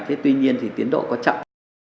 thế tuy nhiên thì tiến độ có chậm